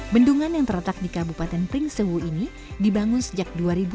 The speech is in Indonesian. bendungan yang terletak di kabupaten pringsewu ini dibangun sejak dua ribu empat belas